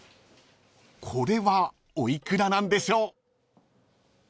［これはお幾らなんでしょう？］